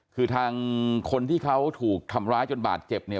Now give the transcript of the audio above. คือทางคนที่เขาถูกทำร้ายจนบาดเจ็บเนี่ย